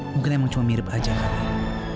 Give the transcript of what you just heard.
mungkin emang cuma mirip aja kakak